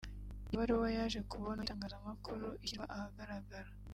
Iyo baruwa yaje kubonwa n’itangazamakuru ishyirwa ahagaragara